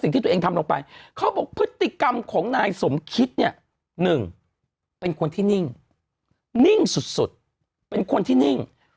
สิ่งที่ทันทำลงไปข้อบที่กัมของนายสมคิดหนึ่งเป็นคนที่นิ่งนิ่งสุดเป็นคนที่